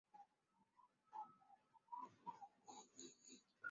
西汉泰山郡刚县人。